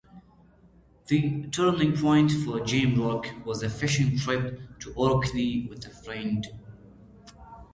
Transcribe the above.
The turning point for Jamdrak was a fishing trip to Orkney with a friend.